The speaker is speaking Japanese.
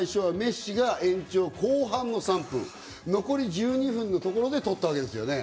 メッシが延長後半３分、残り１２分のところで取ったわけです。